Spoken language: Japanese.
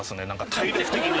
体力的に。